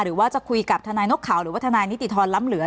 หรือว่าจะคุยกับทนายนกเขาหรือว่าทนายนิติธรรมล้ำเหลือ